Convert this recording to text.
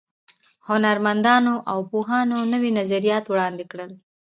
هنرمندانو او پوهانو نوي نظریات وړاندې کړل.